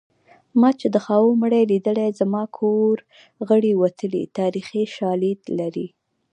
ما چې د خاوو مړي لیدلي زما کور غړي وتلي تاریخي شالید لري